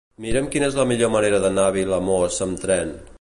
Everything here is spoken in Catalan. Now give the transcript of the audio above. Mira'm quina és la millor manera d'anar a Vilamòs amb tren.